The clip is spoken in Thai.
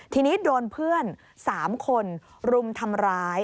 ทีนี้โดนเพื่อน๓คนรุมทำร้าย